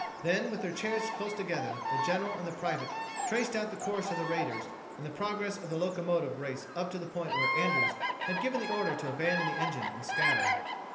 Then, with their chairs close together, the General and the Private traced out the course of the raiders and the progress of the locomotive race up to the point where Andrews had given the order to abandon the engine and scatter.